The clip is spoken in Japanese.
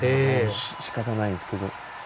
しかたないですけど。